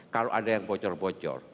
kalau ada yang bocor bocor